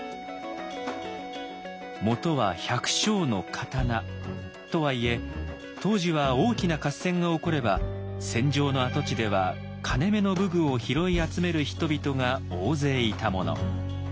もとは百姓の刀とはいえ当時は大きな合戦が起これば戦場の跡地では金めの武具を拾い集める人々が大勢いたもの。